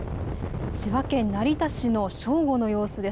千葉県成田市の正午の様子です。